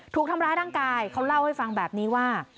ถูกทำร้ายร่างกายเขาเล่าให้ฟังแบบนี้ว่า